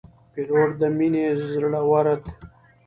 پیلوټ د مینې، زړورت